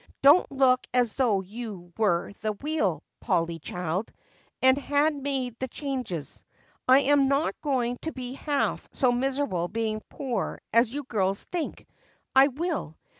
"Don't look as though you were the wheel, Polly child, and had made the changes. I am not going to be half so miserable being poor as you girls think I will.